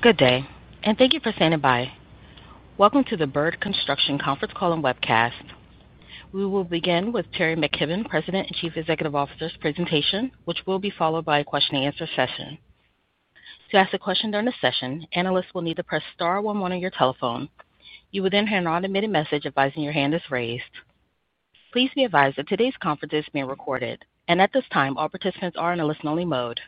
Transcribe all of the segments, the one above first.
Good day, and thank you for standing by. Welcome to the Bird Construction conference call and webcast. We will begin with Teri McKibbon, President and Chief Executive Officer's presentation, which will be followed by a question and answer session. To ask a question during the session, analysts will need to press star one one on your telephone. You will then hear an automated message advising your hand is raised. Please be advised that today's conference is being recorded, and at this time, all participants are in a listen-only mode.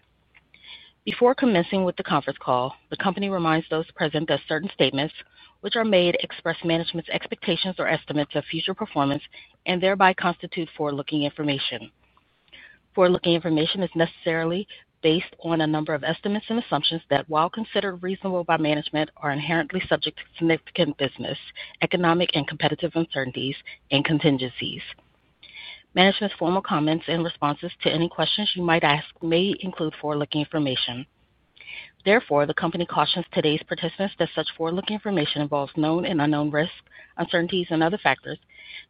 Before commencing with the conference call, the company reminds those present that certain statements which are made express management's expectations or estimates of future performance and thereby constitute forward-looking information. Forward-looking information is necessarily based on a number of estimates and assumptions that, while considered reasonable by management, are inherently subject to significant business, economic, and competitive uncertainties and contingencies. Management's formal comments and responses to any questions you might ask may include forward-looking information. Therefore, the company cautions today's participants that such forward-looking information involves known and unknown risks, uncertainties, and other factors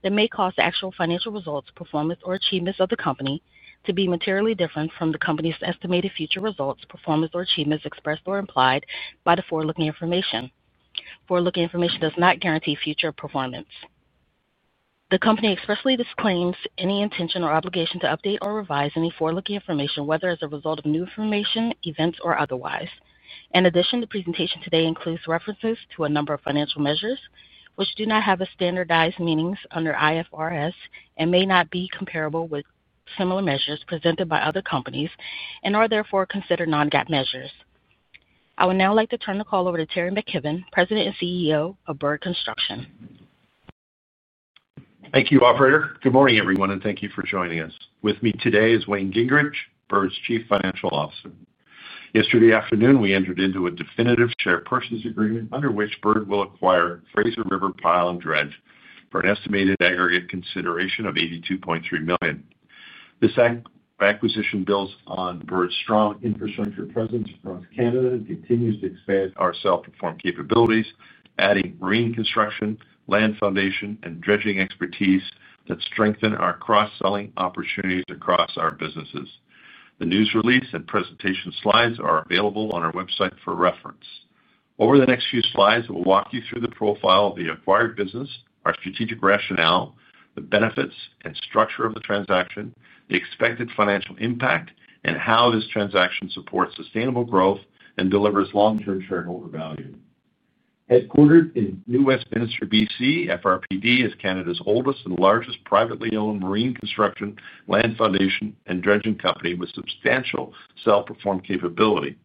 that may cause the actual financial results, performance, or achievements of the company to be materially different from the company's estimated future results, performance, or achievements expressed or implied by the forward-looking information. Forward-looking information does not guarantee future performance. The company expressly disclaims any intention or obligation to update or revise any forward-looking information, whether as a result of new information, events, or otherwise. In addition, the presentation today includes references to a number of financial measures which do not have standardized meanings under IFRS and may not be comparable with similar measures presented by other companies and are therefore considered non-GAAP measures. I would now like to turn the call over to Teri McKibbon, President and CEO of Bird Construction. Thank you, operator. Good morning, everyone, and thank you for joining us. With me today is Wayne Gingrich, Bird's Chief Financial Officer. Yesterday afternoon, we entered into a definitive share purchase agreement under which Bird will acquire Fraser River Pile & Dredge for an estimated aggregate consideration of 82.3 million. This acquisition builds on Bird's strong infrastructure presence across Canada and continues to expand our self-perform capabilities, adding marine construction, land foundation, and dredging expertise that strengthen our cross-selling opportunities across our businesses. The news release and presentation slides are available on our website for reference. Over the next few slides, we'll walk you through the profile of the acquired business, our strategic rationale, the benefits and structure of the transaction, the expected financial impact, and how this transaction supports sustainable growth and delivers long-term shareholder value. Headquartered in New Westminster, BC, FRPD is Canada's oldest and largest privately owned marine construction, land foundation, and dredging company with substantial self-perform capability.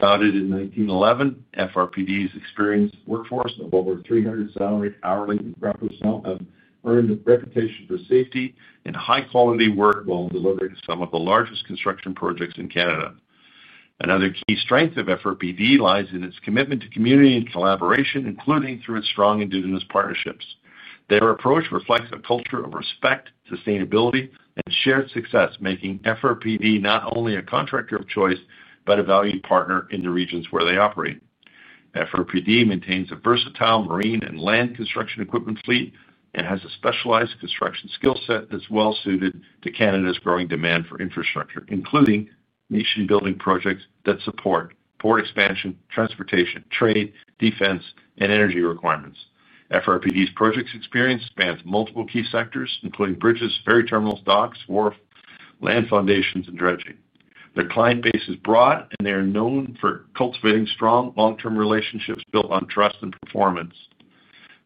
Founded in 1911, FRPD's experienced workforce of over 300 salaried and hourly employees have earned a reputation for safety and high-quality work while delivering some of the largest construction projects in Canada. Another key strength of FRPD lies in its commitment to community and collaboration, including through its strong Indigenous partnerships. Their approach reflects a culture of respect, sustainability, and shared success, making FRPD not only a contractor of choice, but a valued partner in the regions where they operate. FRPD maintains a versatile marine and land construction equipment fleet and has a specialized construction skill set that's well suited to Canada's growing demand for infrastructure, including nation-building projects that support port expansion, transportation, trade, defense, and energy requirements. FRPD's projects experience spans multiple key sectors, including bridges, ferry terminals, docks, wharf, land foundations, and dredging. Their client base is broad, and they are known for cultivating strong, long-term relationships built on trust and performance.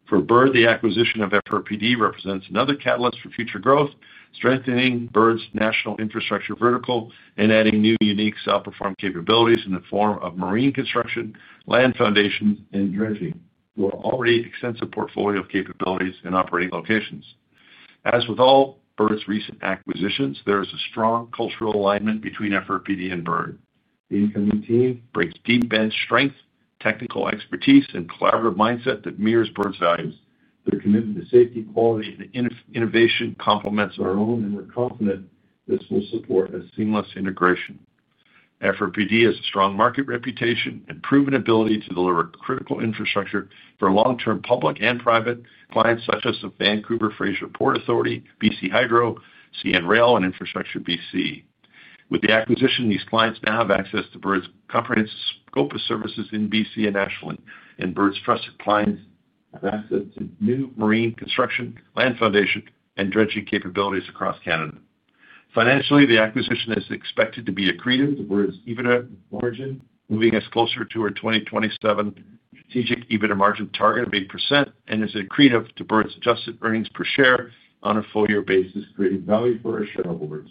For Bird, the acquisition of FRPD represents another catalyst for future growth, strengthening Bird's national infrastructure vertical and adding new, unique self-perform capabilities in the form of marine construction, land foundation, and dredging, to an already extensive portfolio of capabilities and operating locations. As with all Bird's recent acquisitions, there is a strong cultural alignment between FRPD and Bird. The incoming team brings deep bench strength, technical expertise, and collaborative mindset that mirrors Bird's values. Their commitment to safety, quality, and innovation complements our own, and we're confident this will support a seamless integration. FRPD has a strong market reputation and proven ability to deliver critical infrastructure for long-term public and private clients such as the Vancouver Fraser Port Authority, BC Hydro, CN Rail, and Infrastructure BC. With the acquisition, these clients now have access to Bird's comprehensive scope of services in BC and nationally, and Bird's trusted clients have access to new marine construction, land foundation, and dredging capabilities across Canada. Financially, the acquisition is expected to be accretive to Bird's EBITDA margin, moving us closer to our 2027 strategic EBITDA margin target of 8% and is accretive to Bird's adjusted earnings per share on a full-year basis, creating value for our shareholders.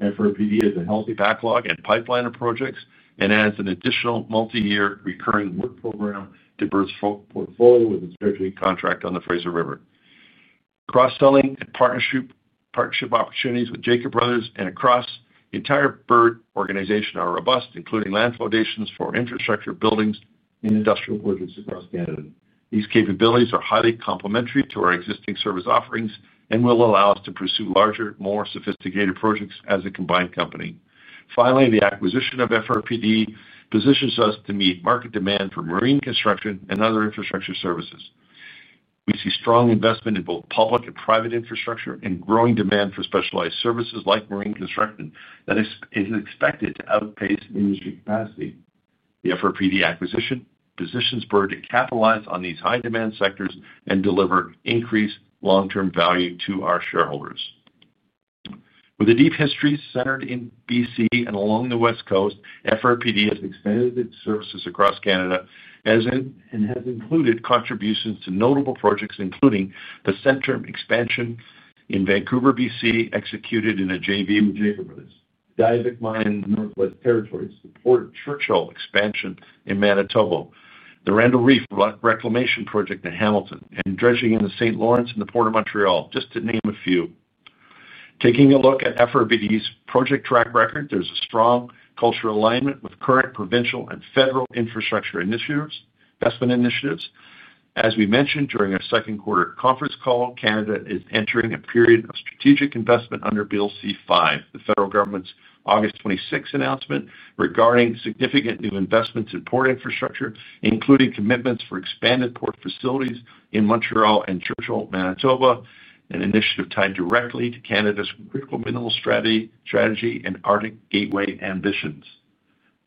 FRPD has a healthy backlog and pipeline of projects and adds an additional multiyear recurring work program to Bird's portfolio with its dredging contract on the Fraser River. Cross-selling and partnership opportunities with Jacob Bros. and across the entire Bird organization are robust, including land foundations for infrastructure, buildings, and industrial projects across Canada. These capabilities are highly complementary to our existing service offerings and will allow us to pursue larger, more sophisticated projects as a combined company. Finally, the acquisition of FRPD positions us to meet market demand for marine construction and other infrastructure services. We see strong investment in both public and private infrastructure and growing demand for specialized services like marine construction that is expected to outpace industry capacity. The FRPD acquisition positions Bird to capitalize on these high-demand sectors and deliver increased long-term value to our shareholders. With a deep history centered in BC and along the West Coast, FRPD has expanded its services across Canada, and has included contributions to notable projects, including the Centerm expansion in Vancouver, BC, executed in a JV with Jacob Bros. Diavik Mine Northwest Territories, the Port of Churchill expansion in Manitoba, the Randal Reef Reclamation Project in Hamilton, and dredging in the St. Lawrence and the Port of Montreal, just to name a few. Taking a look at FRPD's project track record, there's a strong cultural alignment with current provincial and federal infrastructure initiatives, investment initiatives. As we mentioned during our second quarter conference call, Canada is entering a period of strategic investment under Bill C-5, the federal government's August 26th announcement regarding significant new investments in port infrastructure, including commitments for expanded port facilities in Montreal and Churchill, Manitoba, an initiative tied directly to Canada's critical mineral strategy and Arctic gateway ambitions.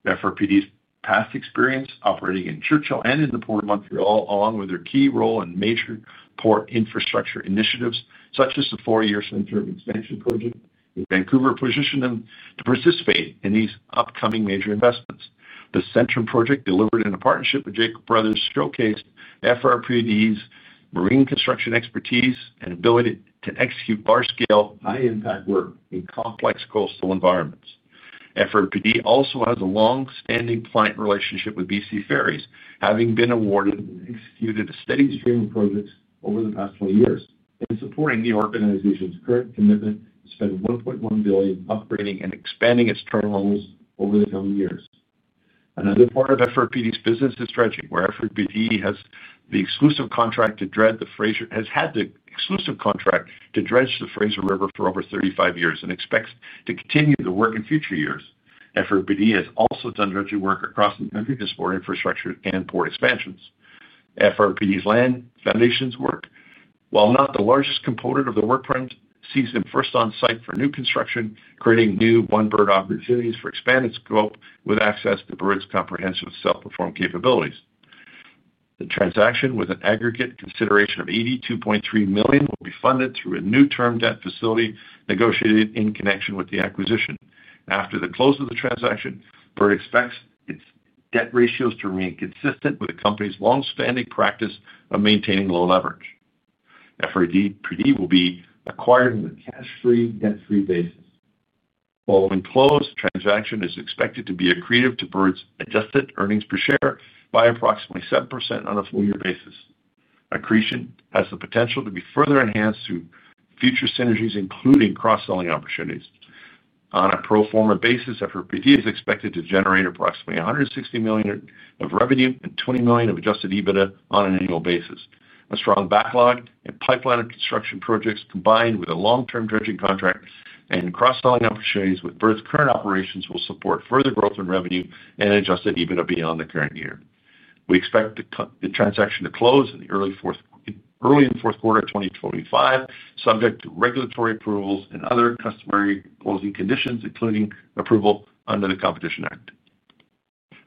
FRPD's past experience operating in Churchill and in the Port of Montreal, along with their key role in major port infrastructure initiatives, such as the four-year Centerm Expansion Project in Vancouver, position them to participate in these upcoming major investments. The Centerm project, delivered in a partnership with Jacob Bros., showcased FRPD's marine construction expertise and ability to execute large-scale, high-impact work in complex coastal environments. FRPD also has a long-standing client relationship with BC Ferries, having been awarded and executed a steady stream of projects over the past 20 years. In supporting the organization's current commitment to spend 1.1 billion upgrading and expanding its terminals over the coming years. Another part of FRPD's business is dredging, where FRPD has had the exclusive contract to dredge the Fraser River for over 35 years and expects to continue the work in future years. FRPD has also done dredging work across the country for infrastructure and port expansions. FRPD's land foundations work, while not the largest component of the footprint, sees them first on site for new construction, creating new Bird opportunities for expanded scope with access to Bird's comprehensive self-performed capabilities. The transaction, with an aggregate consideration of 82.3 million, will be funded through a new term debt facility negotiated in connection with the acquisition. After the close of the transaction, Bird expects its debt ratios to remain consistent with the company's long-standing practice of maintaining low leverage. FRPD will be acquired on a cash-free, debt-free basis. Following close, the transaction is expected to be accretive to Bird's adjusted earnings per share by approximately 7% on a full-year basis. Accretion has the potential to be further enhanced through future synergies, including cross-selling opportunities. On a pro forma basis, FRPD is expected to generate approximately 160 million of revenue and 20 million of adjusted EBITDA on an annual basis. A strong backlog and pipeline of construction projects, combined with a long-term dredging contract and cross-selling opportunities with Bird's current operations, will support further growth in revenue and adjusted EBITDA beyond the current year. We expect the transaction to close early in the fourth quarter of 2025, subject to regulatory approvals and other customary closing conditions, including approval under the Competition Act.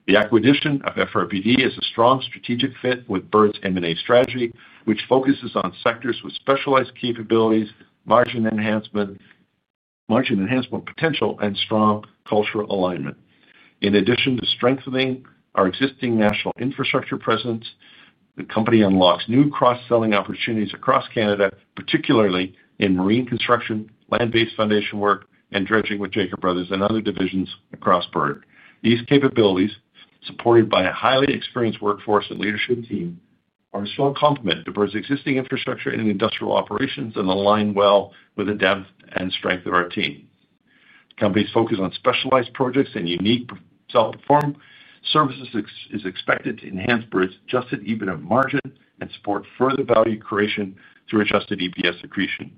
The acquisition of FRPD is a strong strategic fit with Bird's M&A strategy, which focuses on sectors with specialized capabilities, margin enhancement, margin enhancement potential, and strong cultural alignment. In addition to strengthening our existing national infrastructure presence, the company unlocks new cross-selling opportunities across Canada, particularly in marine construction, land-based foundation work, and dredging with Jacob Brothers and other divisions across Bird. These capabilities, supported by a highly experienced workforce and leadership team, are a strong complement to Bird's existing infrastructure and industrial operations and align well with the depth and strength of our team. Company's focus on specialized projects and unique self-performed services is expected to enhance Bird's adjusted EBITDA margin and support further value creation through adjusted EPS accretion.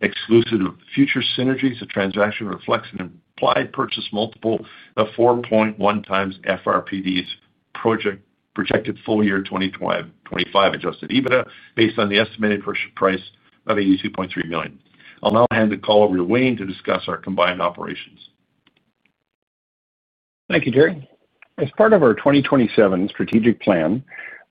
Exclusive of future synergies, the transaction reflects an implied purchase multiple of 4.1x FRPD's projected full-year 2025 adjusted EBITDA, based on the estimated purchase price of 82.3 million. I'll now hand the call over to Wayne to discuss our combined operations. Thank you, Teri. As part of our 2027 strategic plan,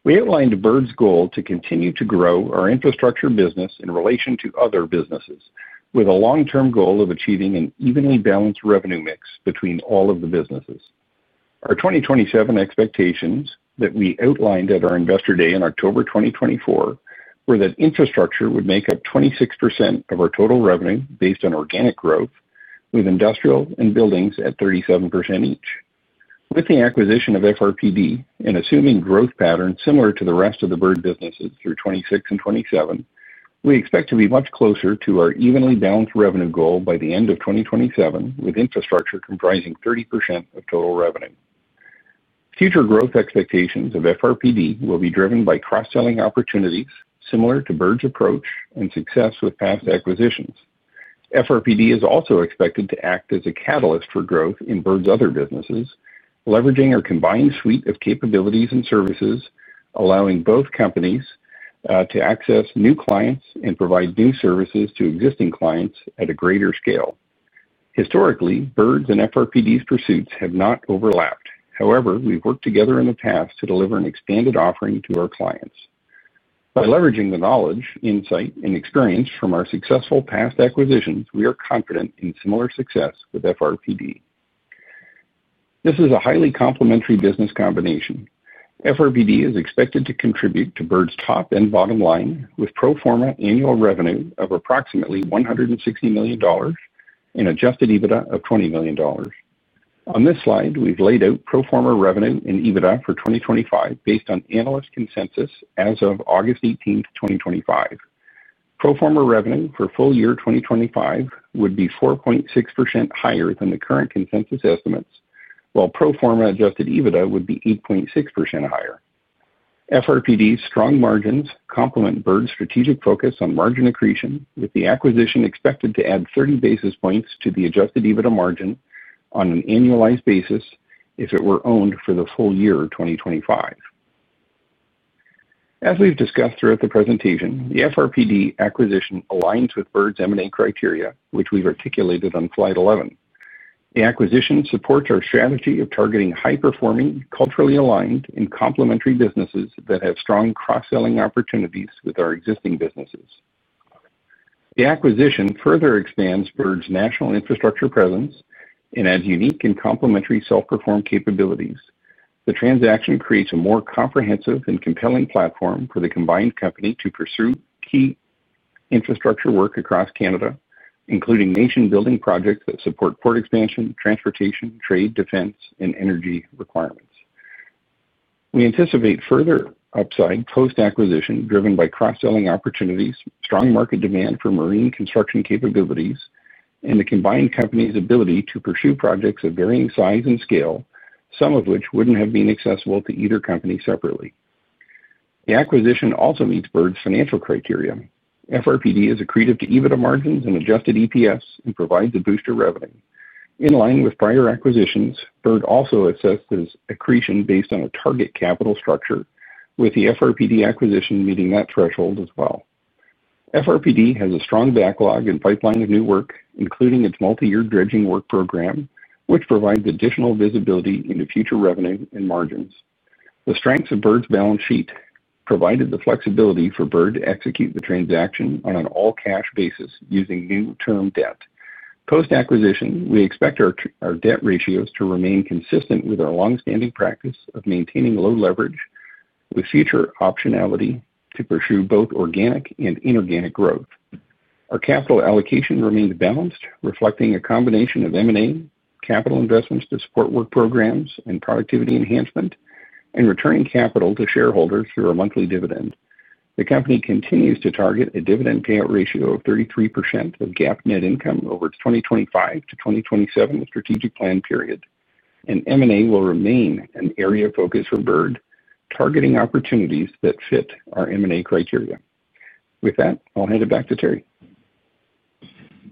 we outlined Bird's goal to continue to grow our infrastructure business in relation to other businesses, with a long-term goal of achieving an evenly balanced revenue mix between all of the businesses. Our 2027 expectations that we outlined at our Investor Day in October 2024, were that infrastructure would make up 26% of our total revenue based on organic growth, with industrial and buildings at 37% each. With the acquisition of FRPD and assuming growth patterns similar to the rest of the Bird businesses through 2026 and 2027, we expect to be much closer to our evenly balanced revenue goal by the end of 2027, with infrastructure comprising 30% of total revenue. Future growth expectations of FRPD will be driven by cross-selling opportunities similar to Bird's approach and success with past acquisitions. FRPD is also expected to act as a catalyst for growth in Bird's other businesses, leveraging our combined suite of capabilities and services, allowing both companies to access new clients and provide new services to existing clients at a greater scale. Historically, Bird's and FRPD's pursuits have not overlapped. However, we've worked together in the past to deliver an expanded offering to our clients. By leveraging the knowledge, insight, and experience from our successful past acquisitions, we are confident in similar success with FRPD. This is a highly complementary business combination. FRPD is expected to contribute to Bird's top and bottom line, with pro forma annual revenue of approximately 160 million dollars and adjusted EBITDA of 20 million dollars. On this slide, we've laid out pro forma revenue and EBITDA for 2025 based on analyst consensus as of August 18, 2025. Pro forma revenue for full year 2025 would be 4.6% higher than the current consensus estimates, while pro forma adjusted EBITDA would be 8.6% higher. FRPD's strong margins complement Bird's strategic focus on margin accretion, with the acquisition expected to add 30 basis points to the adjusted EBITDA margin on an annualized basis if it were owned for the full year, 2025. As we've discussed throughout the presentation, the FRPD acquisition aligns with Bird's M&A criteria, which we've articulated on slide 11. The acquisition supports our strategy of targeting high-performing, culturally aligned, and complementary businesses that have strong cross-selling opportunities with our existing businesses. The acquisition further expands Bird's national infrastructure presence and adds unique and complementary self-performed capabilities. The transaction creates a more comprehensive and compelling platform for the combined company to pursue key infrastructure work across Canada, including nation-building projects that support port expansion, transportation, trade, defense, and energy requirements. We anticipate further upside post-acquisition, driven by cross-selling opportunities, strong market demand for marine construction capabilities, and the combined company's ability to pursue projects of varying size and scale, some of which wouldn't have been accessible to either company separately. The acquisition also meets Bird's financial criteria. FRPD is accretive to EBITDA margins and adjusted EPS and provides a boost to revenue. In line with prior acquisitions, Bird also assesses accretion based on a target capital structure, with the FRPD acquisition meeting that threshold as well. FRPD has a strong backlog and pipeline of new work, including its multiyear dredging work program, which provides additional visibility into future revenue and margins. The strengths of Bird's balance sheet provided the flexibility for Bird to execute the transaction on an all-cash basis using new term debt. Post-acquisition, we expect our debt ratios to remain consistent with our long-standing practice of maintaining low leverage with future optionality to pursue both organic and inorganic growth. Our capital allocation remains balanced, reflecting a combination of M&A, capital investments to support work programs and productivity enhancement, and returning capital to shareholders through our monthly dividend. The company continues to target a dividend payout ratio of 33% of GAAP net income over its 2025 to 2027 strategic plan period, and M&A will remain an area of focus for Bird, targeting opportunities that fit our M&A criteria. With that, I'll hand it back to Teri.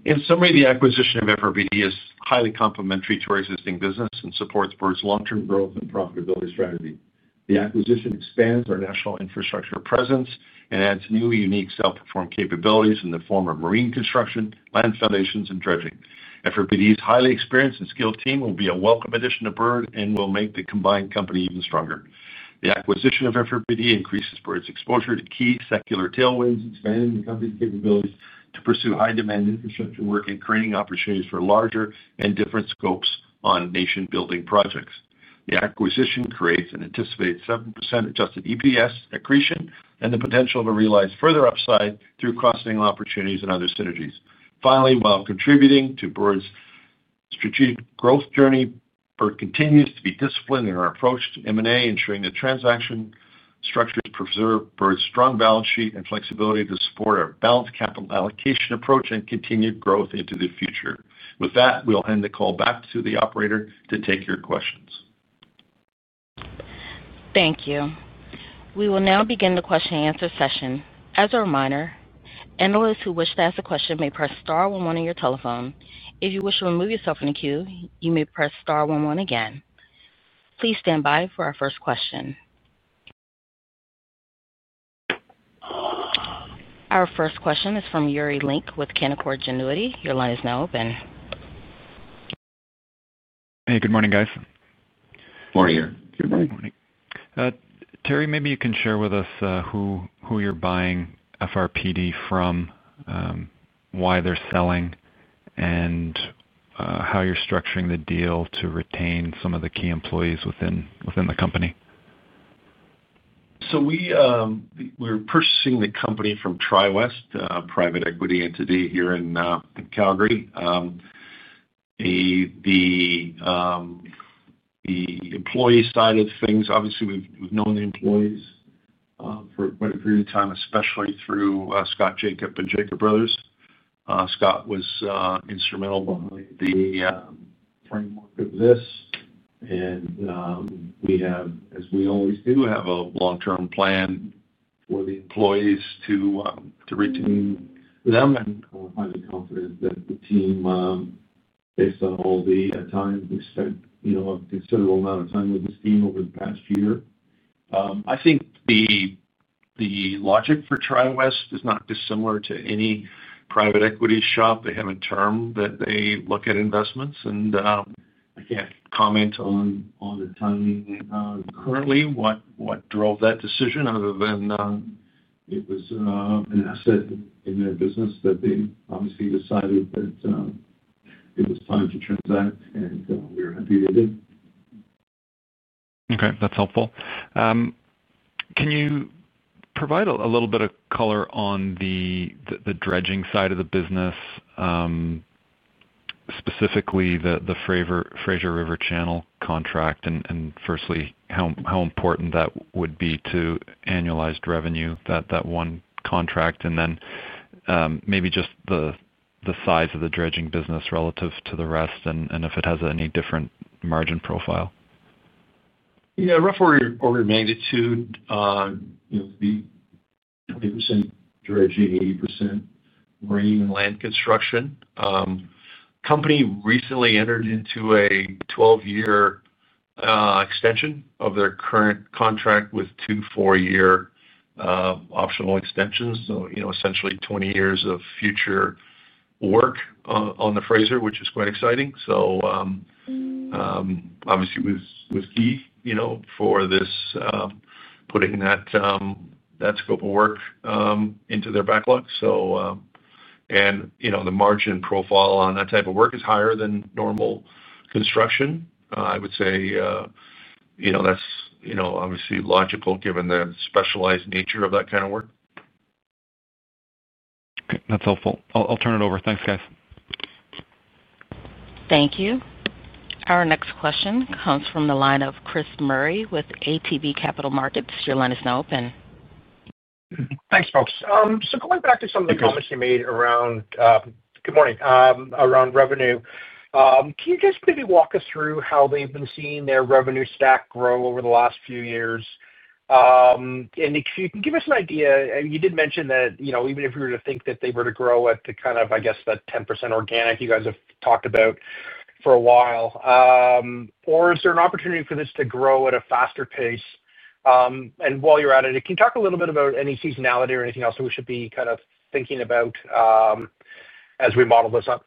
In summary, the acquisition of FRPD is highly complementary to our existing business and supports Bird's long-term growth and profitability strategy. The acquisition expands our national infrastructure presence and adds new, unique self-performed capabilities in the form of marine construction, land foundations, and dredging. FRPD's highly experienced and skilled team will be a welcome addition to Bird and will make the combined company even stronger. The acquisition of FRPD increases Bird's exposure to key secular tailwinds, expanding the company's capabilities to pursue high-demand infrastructure work and creating opportunities for larger and different scopes on nation-building projects. The acquisition creates an anticipated 7% adjusted EPS accretion and the potential to realize further upside through cross-selling opportunities and other synergies. Finally, while contributing to Bird's strategic growth journey, Bird continues to be disciplined in our approach to M&A, ensuring the transaction structure to preserve Bird's strong balance sheet and flexibility to support our balanced capital allocation approach and continued growth into the future. With that, we'll hand the call back to the operator to take your questions. Thank you. We will now begin the question and answer session. As a reminder, analysts who wish to ask a question may press star one one on your telephone. If you wish to remove yourself from the queue, you may press star one one again. Please stand by for our first question. Our first question is from Yuri Lynk with Canaccord Genuity. Your line is now open. Hey, good morning, guys. Morning. Good morning. Teri, maybe you can share with us who you're buying FRPD from, why they're selling, and how you're structuring the deal to retain some of the key employees within the company? We're purchasing the company from TriWest, a private equity entity here in Calgary. The employee side of things, obviously, we've known the employees for quite a period of time, especially through Scott Jacob and Jacob Brothers. Scott was instrumental in the framework of this. We have, as we always do, a long-term plan for the employees to retain them. We're highly confident that the team, based on all the time we spent, you know, a considerable amount of time with this team over the past year. I think the logic for TriWest is not dissimilar to any private equity shop. They have a term that they look at investments, and I can't comment on the timing currently, what drove that decision, other than it was an asset in their business that they obviously decided that it was time to transact, and we're happy they did. Okay, that's helpful. Can you provide a little bit of color on the dredging side of the business? Specifically the Fraser River Channel contract, and firstly, how important that would be to annualized revenue, that one contract, and then maybe just the size of the dredging business relative to the rest, and if it has any different margin profile. Yeah, rough order, order of magnitude, you know, be 20% dredging, 80% marine and land construction. Company recently entered into a 12-year extension of their current contract with two 4-year optional extensions. So, you know, essentially 20 years of future work on the Fraser, which is quite exciting. So, obviously, was key, you know, for this, putting that scope of work into their backlog. So... And, you know, the margin profile on that type of work is higher than normal construction. I would say, you know, that's, you know, obviously logical, given the specialized nature of that kind of work. Okay, that's helpful. I'll, I'll turn it over. Thanks, guys. Thank you. Our next question comes from the line of Chris Murray with ATB Capital Markets. Your line is now open. Thanks, folks. Good morning. So going back to some of the comments you made around revenue, can you just maybe walk us through how they've been seeing their revenue stack grow over the last few years? And if you can give us an idea, and you did mention that, you know, even if we were to think that they were to grow at the kind of, I guess, that 10% organic you guys have talked about for a while, or is there an opportunity for this to grow at a faster pace? And while you're at it, can you talk a little bit about any seasonality or anything else that we should be kind of thinking about, as we model this up?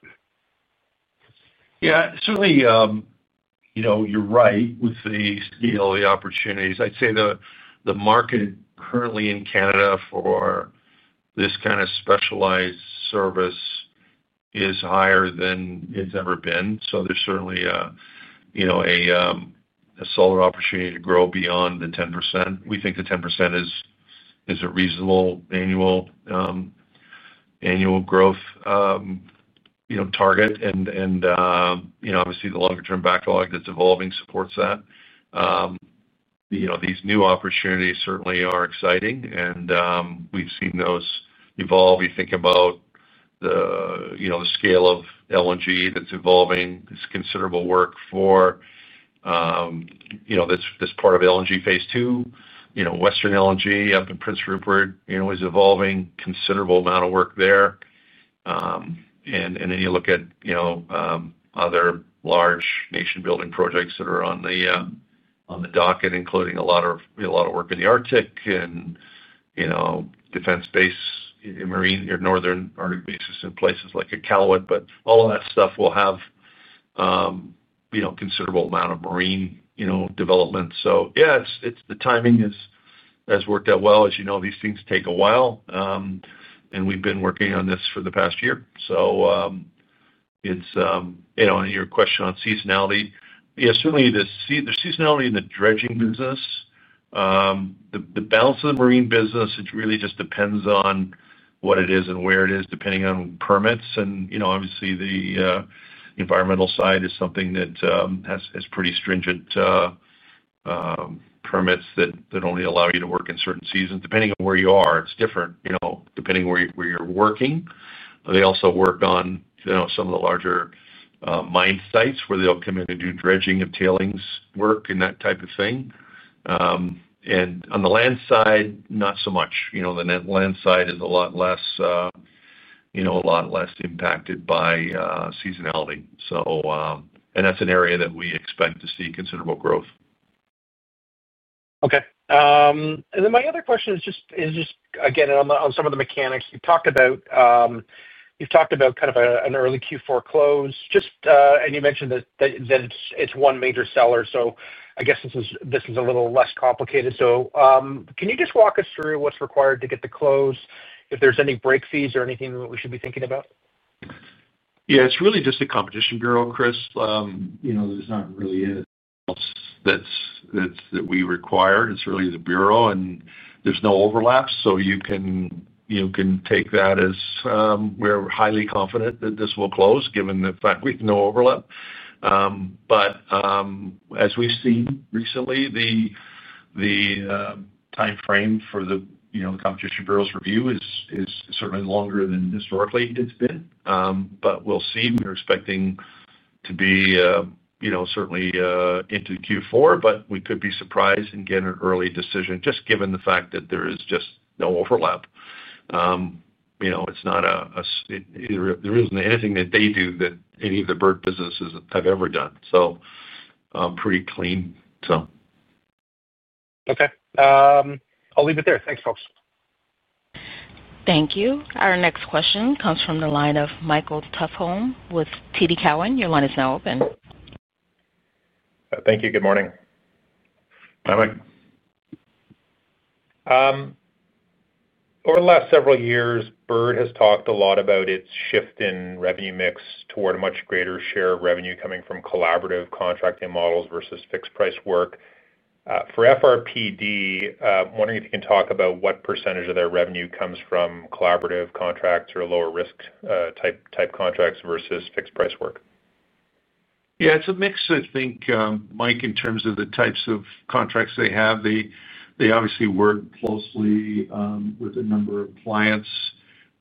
Yeah, certainly, you know, you're right with the scale of the opportunities. I'd say the market currently in Canada for this kind of specialized service is higher than it's ever been. So there's certainly a, you know, a solid opportunity to grow beyond the 10%. We think the 10% is a reasonable annual growth, you know, target. And, you know, obviously, the longer-term backlog that's evolving supports that. You know, these new opportunities certainly are exciting, and we've seen those evolve. We think about the, you know, the scale of LNG that's evolving. It's considerable work for, you know, this part of LNG Phase 2. You know, Western LNG up in Prince Rupert, you know, is evolving. Considerable amount of work there. And then you look at, you know, other large nation-building projects that are on the docket, including a lot of work in the Arctic and, you know, defense bases in marine or northern Arctic bases in places like Iqaluit. But all of that stuff will have, you know, considerable amount of marine development. So, yeah, it's the timing has worked out well. As you know, these things take a while, and we've been working on this for the past year. So, it's... You know, your question on seasonality, yeah, certainly the seasonality in the dredging business, the balance of the marine business, it really just depends on what it is and where it is, depending on permits. You know, obviously, the environmental side is something that has pretty stringent permits that only allow you to work in certain seasons, depending on where you are. It's different, you know, depending on where you're working. They also work on, you know, some of the larger mine sites where they'll come in and do dredging and tailings work and that type of thing. And on the land side, not so much. You know, the land side is a lot less impacted by seasonality. So, and that's an area that we expect to see considerable growth. Okay. And then my other question is just, again, on some of the mechanics. You've talked about kind of an early Q4 close, just, and you mentioned that it's one major seller, so I guess this is a little less complicated. Can you just walk us through what's required to get the close? If there's any break fees or anything that we should be thinking about? Yeah, it's really just the Competition Bureau, Chris. You know, there's not really anything else that's that we require. It's really the bureau, and there's no overlap, so you can take that as we're highly confident that this will close, given the fact we've no overlap. But as we've seen recently, the time frame for the, you know, the Competition Bureau's review is certainly longer than historically it's been. But we'll see. We're expecting to be, you know, certainly into Q4, but we could be surprised and get an early decision, just given the fact that there is just no overlap. You know, it's not, there isn't anything that they do that any of the Bird businesses have ever done, so pretty clean, so. Okay. I'll leave it there. Thanks, folks. Thank you. Our next question comes from the line of Michael Tupholme with TD Cowen. Your line is now open. Thank you. Good morning. Hi, Mike. Over the last several years, Bird has talked a lot about its shift in revenue mix toward a much greater share of revenue coming from collaborative contracting models versus fixed price work. For FRPD, I'm wondering if you can talk about what percentage of their revenue comes from collaborative contracts or lower risk type contracts versus fixed price work? Yeah, it's a mix, I think, Mike, in terms of the types of contracts they have. They obviously work closely with a number of clients.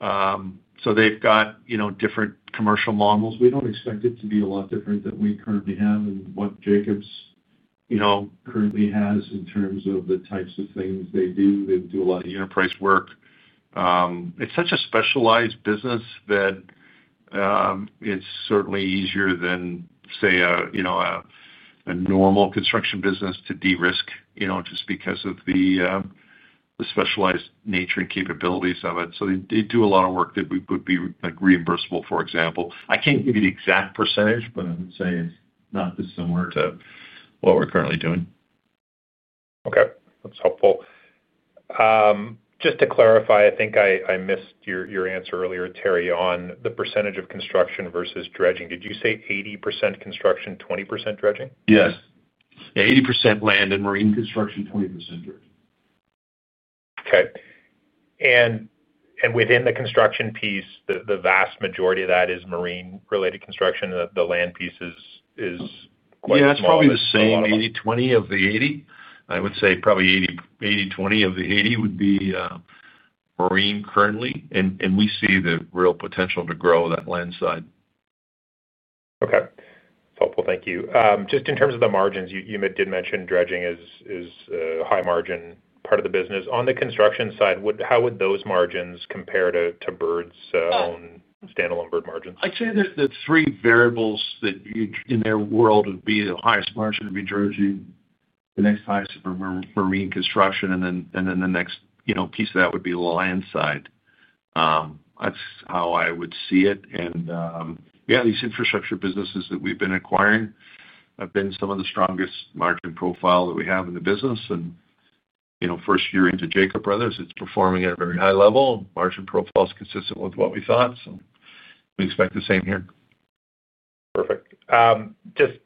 So they've got, you know, different commercial models. We don't expect it to be a lot different than we currently have and what Jacobs, you know, currently has in terms of the types of things they do. They do a lot of enterprise work. It's such a specialized business that it's certainly easier than, say, you know, a normal construction business to de-risk, you know, just because of the specialized nature and capabilities of it. So they do a lot of work that we would be, like, reimbursable, for example. I can't give you the exact percentage, but I would say it's not dissimilar to what we're currently doing. Okay. That's helpful. Just to clarify, I think I missed your answer earlier, Teri, on the percentage of construction versus dredging. Did you say 80% construction, 20% dredging? Yes. 80% land and marine construction, 20% dredging. Okay. Within the construction piece, the vast majority of that is marine-related construction. The land piece is quite small? Yeah, it's probably the same, 80/20 of the 80. I would say probably 80, 80/20 of the 80 would be marine currently, and we see the real potential to grow that land side. Okay. Helpful. Thank you. Just in terms of the margins, you did mention dredging is a high margin part of the business. On the construction side, how would those margins compare to Bird's own standalone Bird margins? I'd say the three variables that you in their world would be the highest margin would be dredging, the next highest marine construction, and then the next, you know, piece of that would be the land side. That's how I would see it. Yeah, these infrastructure businesses that we've been acquiring have been some of the strongest margin profile that we have in the business. You know, first year into Jacob Bros., it's performing at a very high level. Margin profile is consistent with what we thought, so we expect the same here. Perfect. Just,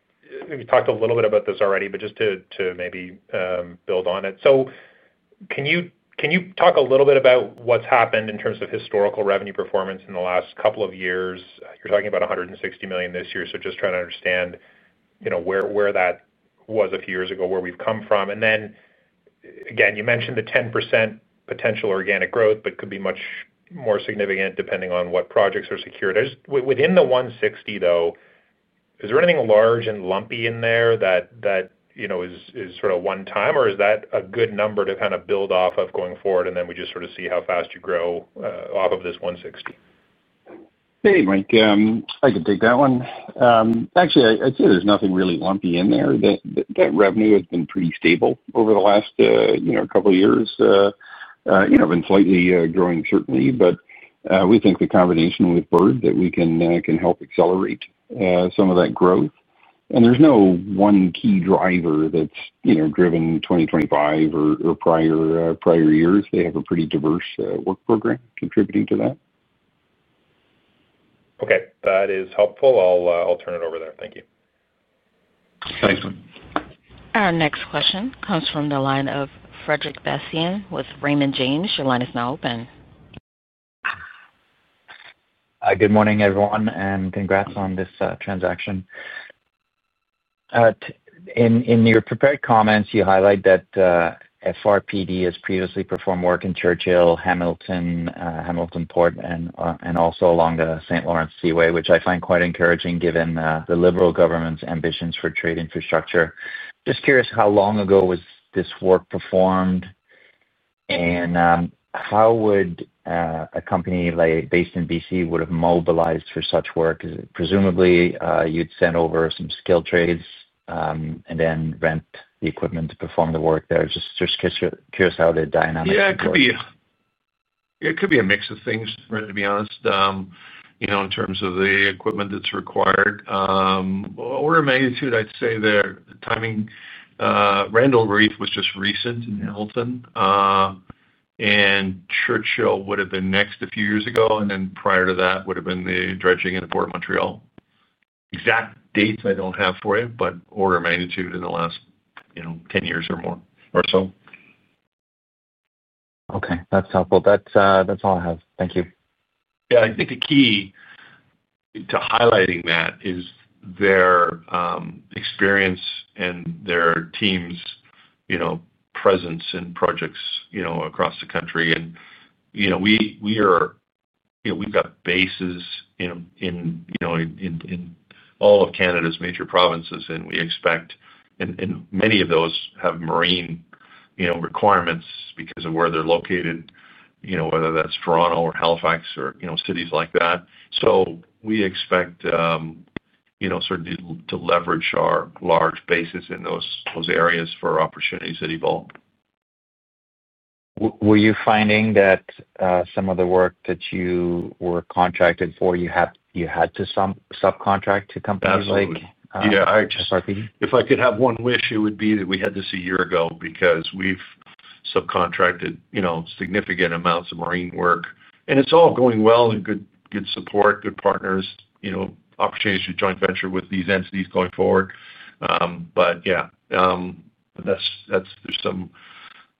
you talked a little bit about this already, but just to maybe build on it. So can you talk a little bit about what's happened in terms of historical revenue performance in the last couple of years? You're talking about 160 million this year, so just trying to understand, you know, where that was a few years ago, where we've come from. And then, again, you mentioned the 10% potential organic growth, but could be much more significant depending on what projects are secured. Within the $160 million, though, is there anything large and lumpy in there that, you know, is sort of one time, or is that a good number to kind of build off of going forward, and then we just sort of see how fast you grow off of this $160 million? Hey, Mike, I can take that one. Actually, I'd say there's nothing really lumpy in there. That revenue has been pretty stable over the last, you know, couple of years. You know, been slightly growing, certainly, but we think the combination with Bird, that we can help accelerate some of that growth. And there's no one key driver that's, you know, driven 2025 or prior years. They have a pretty diverse work program contributing to that. Okay. That is helpful. I'll, I'll turn it over there. Thank you. Thanks. Our next question comes from the line of Frederic Bastien with Raymond James. Your line is now open. Good morning, everyone, and congrats on this transaction. In your prepared comments, you highlight that FRPD has previously performed work in Churchill, Hamilton Port, and also along the St. Lawrence Seaway, which I find quite encouraging given the liberal government's ambitions for trade infrastructure. Just curious, how long ago was this work performed? And how would a company like based in BC have mobilized for such work? Presumably, you'd send over some skilled trades and then rent the equipment to perform the work there. Just curious how the dynamic works. Yeah, it could be, it could be a mix of things, Fred, to be honest, you know, in terms of the equipment that's required. Order of magnitude, I'd say the timing, Randal Reef was just recent in Hamilton, and Churchill would have been next a few years ago, and then prior to that would have been the dredging in the Port of Montréal. Exact dates I don't have for you, but order of magnitude in the last, you know, 10 years or more, or so. Okay, that's helpful. That's, that's all I have. Thank you. Yeah, I think the key to highlighting that is their experience and their team's, you know, presence in projects, you know, across the country, and, you know, we are, you know, we've got bases in, you know, in all of Canada's major provinces, and we expect many of those have marine, you know, requirements because of where they're located, you know, whether that's Toronto or Halifax or, you know, cities like that, so we expect, you know, certainly to leverage our large bases in those areas for opportunities that evolve. Were you finding that some of the work that you were contracted for, you have, you had to some subcontract to companies like. Absolutely. RHRP? If I could have one wish, it would be that we had this a year ago, because we've subcontracted, you know, significant amounts of marine work, and it's all going well, and good, good support, good partners, you know, opportunities to joint venture with these entities going forward. But yeah, that's.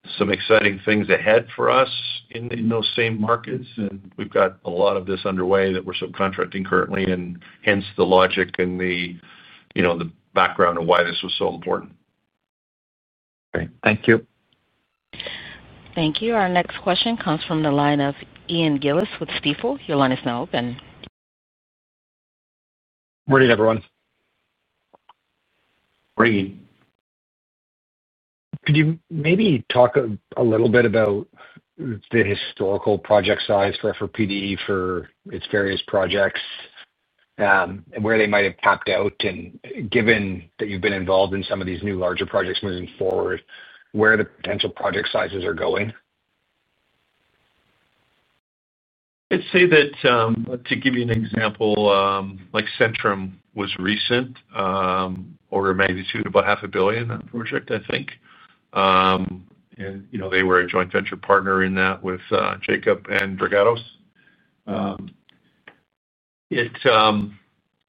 There's some exciting things ahead for us in those same markets, and we've got a lot of this underway that we're subcontracting currently, and hence the logic and the, you know, the background of why this was so important. Great. Thank you. Thank you. Our next question comes from the line of Ian Gillies with Stifel. Your line is now open. Morning, everyone. Morning. Could you maybe talk a little bit about the historical project size for FRPD for its various projects, where they might have topped out, and given that you've been involved in some of these new larger projects moving forward, where the potential project sizes are going? I'd say that, to give you an example, like Centerm was recent, order of magnitude, about 500 million on project I think. And, you know, they were a joint venture partner in that with Jacob Bros. and Dragados. It,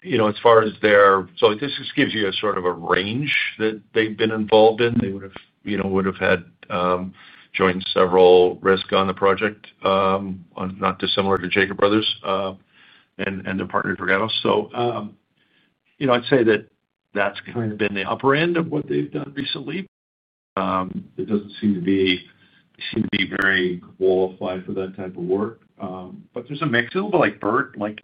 you know, as far as their... So this just gives you a sort of a range that they've been involved in. They would have, you know, had joint and several risk on the project, on not dissimilar to Jacob Bros. and their partner, Dragados. So, you know, I'd say that that's kind of been the upper end of what they've done recently. It doesn't seem to be very qualified for that type of work, but there's a mix. A little bit like Bird, like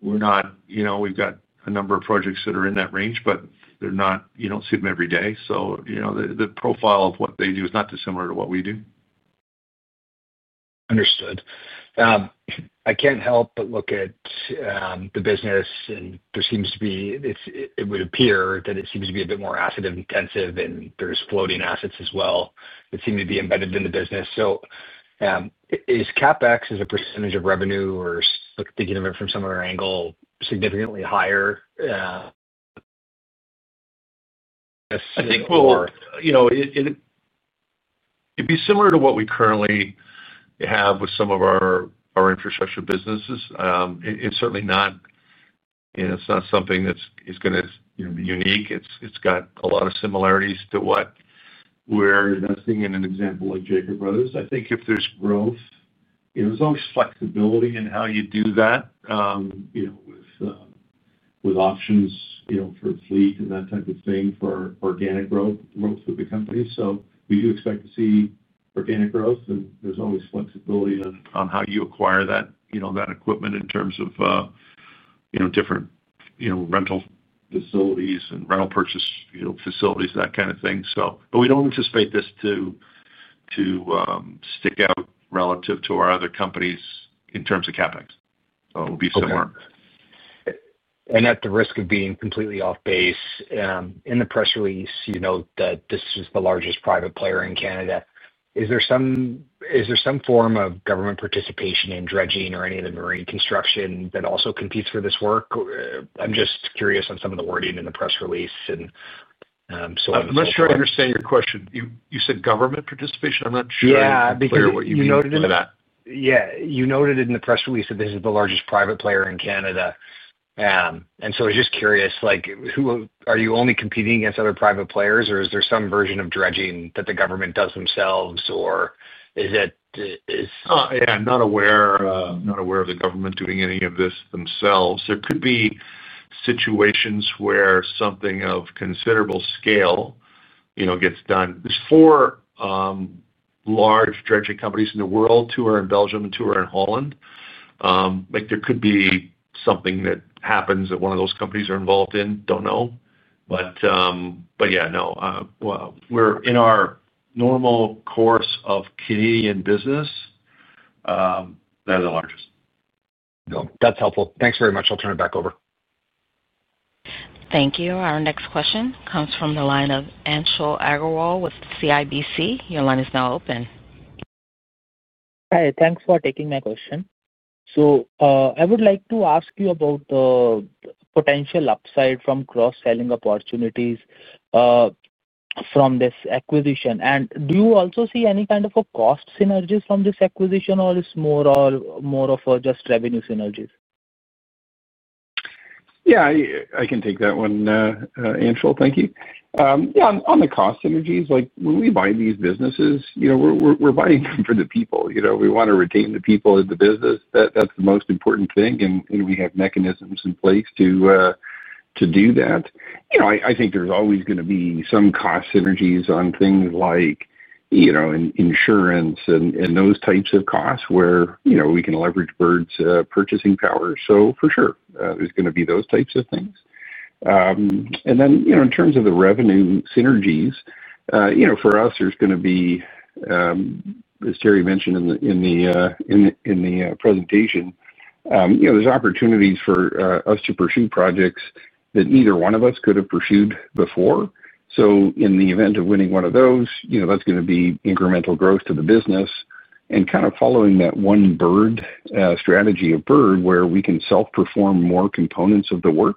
we're not, you know, we've got a number of projects that are in that range, but they're not, you don't see them every day. So, you know, the profile of what they do is not dissimilar to what we do. Understood. I can't help but look at the business and there seems to be, it would appear that it seems to be a bit more asset intensive, and there's floating assets as well that seem to be embedded in the business. So, is CapEx as a percentage of revenue or thinking of it from some other angle, significantly higher, or? I think, well, you know, it, it'd be similar to what we currently have with some of our infrastructure businesses. It's certainly not... You know, it's not something that's, is gonna, you know, be unique. It's got a lot of similarities to what we're investing in, an example like Jacob Bros. I think if there's growth, there's always flexibility in how you do that, you know, with options, you know, for fleet and that type of thing, for organic growth, growth with the company. So we do expect to see organic growth, and there's always flexibility on how you acquire that, you know, that equipment in terms of, you know, different, you know, rental facilities and rental purchase, you know, facilities, that kind of thing, so. But we don't anticipate this to stick out relative to our other companies in terms of CapEx. It would be similar. Okay. At the risk of being completely off base, in the press release, you know that this is the largest private player in Canada. Is there some form of government participation in dredging or any of the marine construction that also competes for this work? I'm just curious on some of the wording in the press release and. I'm not sure I understand your question. You, you said government participation? I'm not sure. Yeah. I'm clear what you mean by that. Yeah. You noted it in the press release that this is the largest private player in Canada, and so I was just curious, like, who are you only competing against other private players, or is there some version of dredging that the government does themselves, or is it, is. Yeah, I'm not aware. I'm not aware of the government doing any of this themselves. There could be situations where something of considerable scale, you know, gets done. There's four large dredging companies in the world, two are in Belgium and two are in Holland. Like, there could be something that happens that one of those companies are involved in, don't know. But yeah, no, well, we're in our normal course of Canadian business, they're the largest. That's helpful. Thanks very much. I'll turn it back over. Thank you. Our next question comes from the line of Anshul Agarwal with CIBC. Your line is now open. Hi, thanks for taking my question. So, I would like to ask you about the potential upside from cross-selling opportunities from this acquisition. And do you also see any kind of a cost synergies from this acquisition, or it's more of a just revenue synergies? Yeah, I can take that one, Anshul. Thank you. Yeah, on the cost synergies, like, when we buy these businesses, you know, we're buying them for the people. You know, we wanna retain the people in the business. That's the most important thing, and we have mechanisms in place to do that. You know, I think there's always gonna be some cost synergies on things like, you know, insurance and those types of costs where, you know, we can leverage Bird's purchasing power. So for sure, there's gonna be those types of things. And then, you know, in terms of the revenue synergies, you know, for us, there's gonna be. As Teri mentioned in the presentation, you know, there's opportunities for us to pursue projects that neither one of us could have pursued before. So in the event of winning one of those, you know, that's gonna be incremental growth to the business. And kind of following that one Bird strategy of Bird, where we can self-perform more components of the work,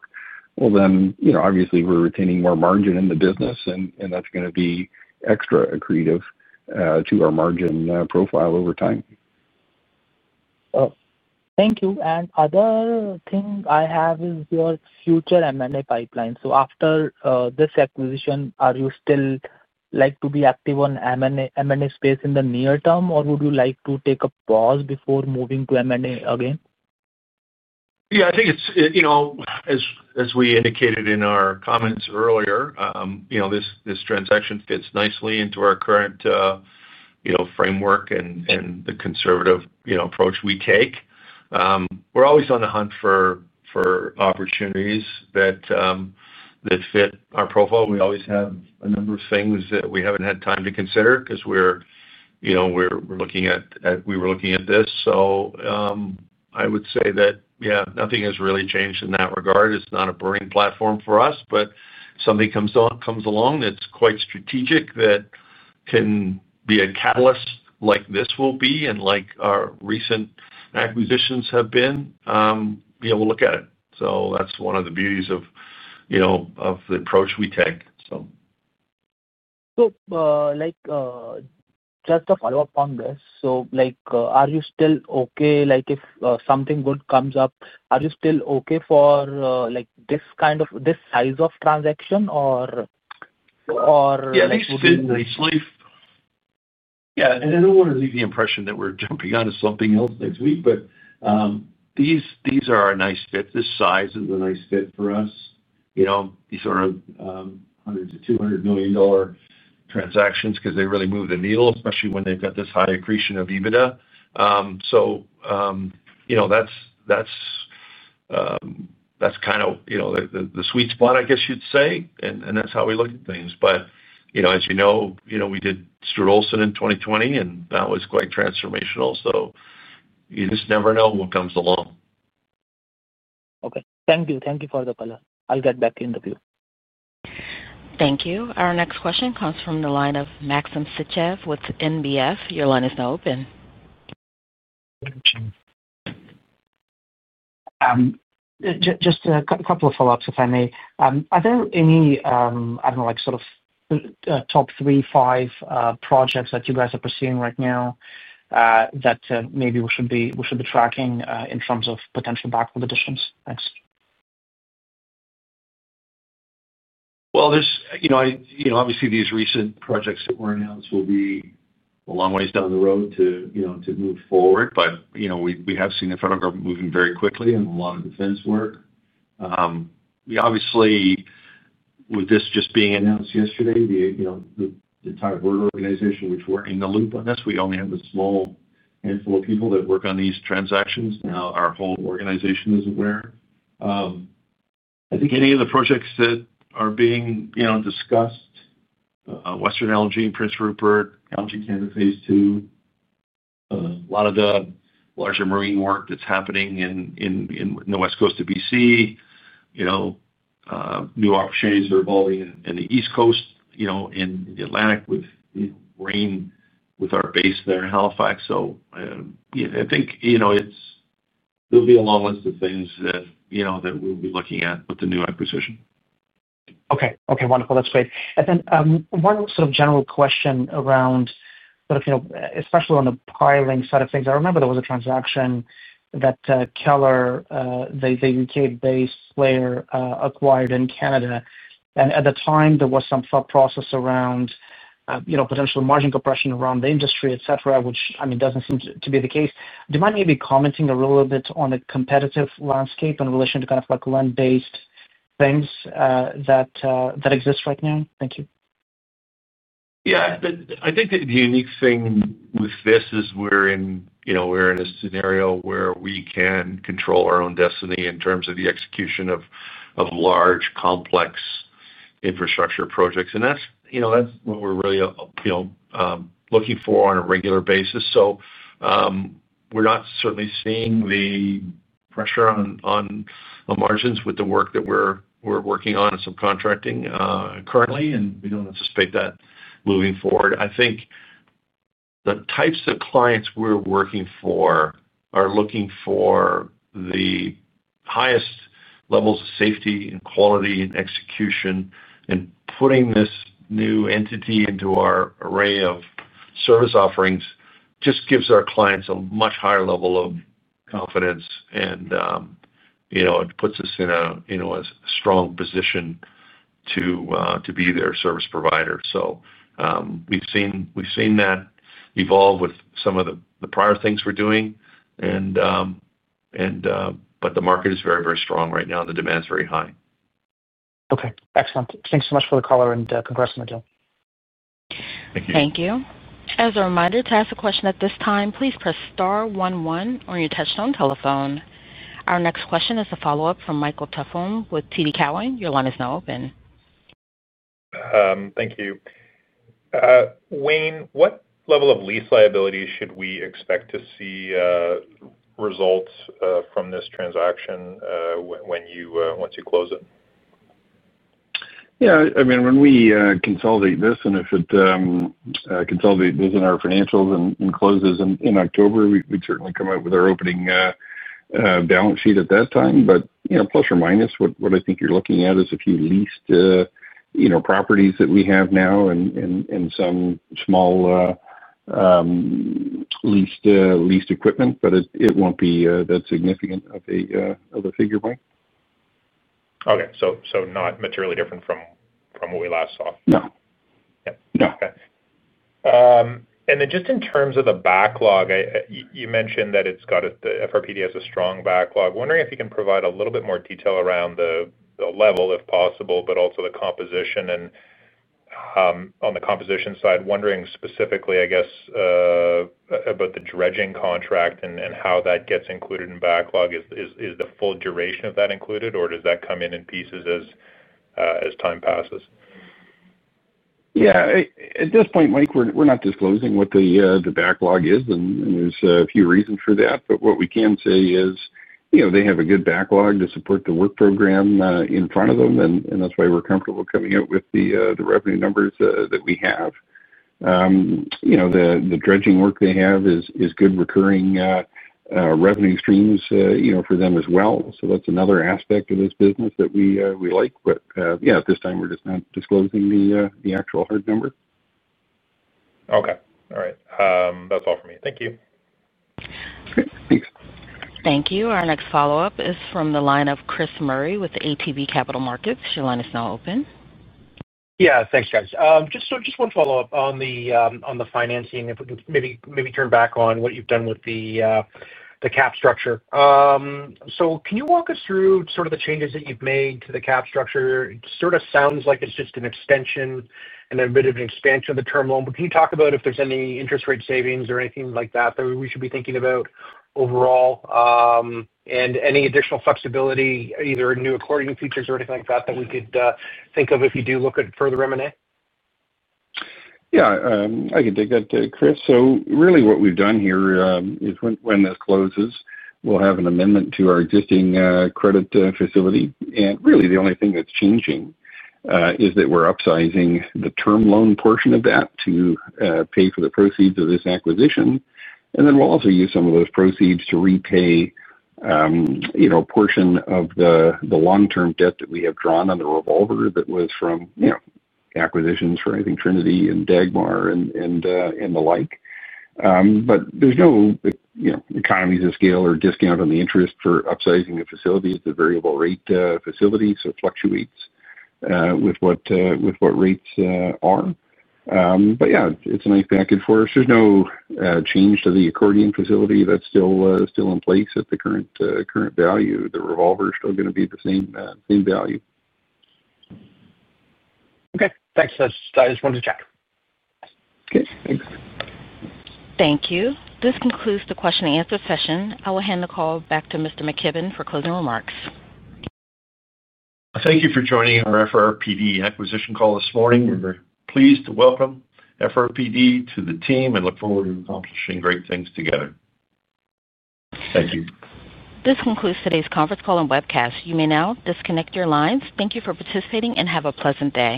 well, then, you know, obviously we're retaining more margin in the business, and that's gonna be extra accretive to our margin profile over time. Oh, thank you. And other thing I have is your future M&A pipeline. So after this acquisition, are you still like to be active on M&A, M&A space in the near term, or would you like to take a pause before moving to M&A again? Yeah, I think it's, you know, as we indicated in our comments earlier, you know, this transaction fits nicely into our current, you know, framework and the conservative, you know, approach we take. We're always on the hunt for opportunities that fit our profile. We always have a number of things that we haven't had time to consider 'cause we're, you know, we're looking at this. So, I would say that, yeah, nothing has really changed in that regard. It's not a burning platform for us, but if something comes along that's quite strategic, that can be a catalyst, like this will be and like our recent acquisitions have been, yeah, we'll look at it. So that's one of the beauties of, you know, of the approach we take, so. So, like, just a follow-up on this. So, like, are you still okay, like, if something good comes up, are you still okay for, like this kind of this size of transaction or, or like would you? Yeah, these fit nicely. Yeah, and I don't wanna leave the impression that we're jumping onto something else next week, but, these are a nice fit. This size is a nice fit for us. You know, these are 100-200 million dollar transactions, 'cause they really move the needle, especially when they've got this high accretion of EBITDA. So, you know, that's kind of, you know, the sweet spot, I guess you'd say, and, and that's how we look at things. But, you know, as you know, you know, we did Stuart Olson in 2020, and that was quite transformational. So you just never know what comes along. Okay. Thank you. Thank you for the clarity. I'll get back in the queue. Thank you. Our next question comes from the line of Maxim Sytchev with NBF. Your line is now open. Just a couple of follow-ups, if I may. Are there any, I don't know, like, sort of, top three, five, projects that you guys are pursuing right now, that maybe we should be tracking, in terms of potential backlog additions? Thanks. You know, obviously these recent projects that were announced will be a long ways down the road to, you know, to move forward. But, you know, we have seen the federal government moving very quickly in a lot of defense work. We obviously, with this just being announced yesterday, the entire Bird organization, which we're in the loop on this, we only have a small handful of people that work on these transactions. Now, our whole organization is aware. I think any of the projects that are being, you know, discussed, Western LNG, Prince Rupert, LNG Canada Phase 2, a lot of the larger marine work that's happening in the west coast of BC. You know, new opportunities are evolving in the East Coast, you know, in the Atlantic with, you know, range, with our base there in Halifax. So, yeah, I think, you know, it's. There'll be a long list of things that, you know, that we'll be looking at with the new acquisition. Okay. Okay, wonderful. That's great. And then, one sort of general question around, sort of, you know, especially on the piling side of things. I remember there was a transaction that, Keller, the U.K.-based player, acquired in Canada, and at the time, there was some thought process around, you know, potential margin compression around the industry, et cetera, which, I mean, doesn't seem to be the case. Do you mind maybe commenting a little bit on the competitive landscape in relation to kind of like land-based things, that exist right now? Thank you. Yeah, I think the unique thing with this is we're in, you know, we're in a scenario where we can control our own destiny in terms of the execution of large, complex infrastructure projects. And that's, you know, that's what we're really looking for on a regular basis. So, we're not certainly seeing the pressure on the margins with the work that we're working on in subcontracting currently, and we don't anticipate that moving forward. I think the types of clients we're working for are looking for the highest levels of safety and quality and execution, and putting this new entity into our array of service offerings just gives our clients a much higher level of confidence and, you know, it puts us in a strong position to be their service provider. We've seen that evolve with some of the prior things we're doing, but the market is very, very strong right now, and the demand is very high. Okay, excellent. Thanks so much for the color and, congrats on the deal. Thank you. Thank you. As a reminder, to ask a question at this time, please press star one one on your touchtone telephone. Our next question is a follow-up from Michael Tupholme with TD Cowen. Your line is now open. Thank you. Wayne, what level of lease liability should we expect to see results from this transaction when once you close it? Yeah, I mean, when we consolidate this, and if it consolidate this in our financials and closes in October, we we'd certainly come out with our opening balance sheet at that time. But you know, plus or minus, what I think you're looking at is a few leased properties that we have now and some small leased equipment, but it won't be that significant of a figure, Mike. Okay. So not materially different from what we last saw? No. Yeah. No. Okay. And then just in terms of the backlog, you mentioned that FRPD has a strong backlog. Wondering if you can provide a little bit more detail around the level, if possible, but also the composition and on the composition side, wondering specifically, I guess, about the dredging contract and how that gets included in backlog. Is the full duration of that included, or does that come in in pieces as time passes? Yeah. At this point, Mike, we're not disclosing what the backlog is, and there's a few reasons for that. But what we can say is, you know, they have a good backlog to support the work program in front of them, and that's why we're comfortable coming out with the revenue numbers that we have. You know, the dredging work they have is good recurring revenue streams, you know, for them as well. So that's another aspect of this business that we like. But yeah, at this time, we're just not disclosing the actual hard number. Okay. All right, that's all for me. Thank you. Great. Thanks. Thank you. Our next follow-up is from the line of Chris Murray with ATB Capital Markets. Your line is now open. Yeah. Thanks, guys. Just one follow-up on the financing, if we could maybe turn back on what you've done with the cap structure. So can you walk us through sort of the changes that you've made to the cap structure? It sort of sounds like it's just an extension and a bit of an expansion of the term loan, but can you talk about if there's any interest rate savings or anything like that that we should be thinking about overall? And any additional flexibility, either new accordion features or anything like that, that we could think of if you do look at further M&A? Yeah, I can take that, Chris. So really what we've done here is when this closes, we'll have an amendment to our existing credit facility. And really, the only thing that's changing is that we're upsizing the term loan portion of that to pay for the proceeds of this acquisition. And then we'll also use some of those proceeds to repay, you know, a portion of the long-term debt that we have drawn on the revolver that was from, you know, acquisitions for, I think, Trinity and Dagmar and the like. But there's no, you know, economies of scale or discount on the interest for upsizing the facility. It's a variable rate facility, so it fluctuates with what rates are. But yeah, it's a nice back and forth. There's no change to the accordion facility. That's still in place at the current value. The revolver is still gonna be the same value. Okay. Thanks. That's. I just wanted to check. Okay, thanks. Thank you. This concludes the question and answer session. I will hand the call back to Mr. McKibbon for closing remarks. Thank you for joining our FRPD acquisition call this morning. We're very pleased to welcome FRPD to the team and look forward to accomplishing great things together. Thank you. This concludes today's conference call and webcast. You may now disconnect your lines. Thank you for participating, and have a pleasant day.